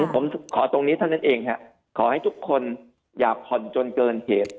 ผมขอตรงนี้เท่านั้นเองฮะขอให้ทุกคนอย่าผ่อนจนเกินเหตุ